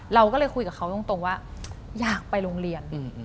เราก็เลยคุยกับเขาตรงว่าอยากไปโรงเรียน